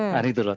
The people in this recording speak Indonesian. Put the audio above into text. tadi itu loh